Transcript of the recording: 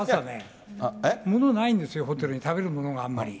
物ないんですよ、ホテルに、食べるものが、あんまり。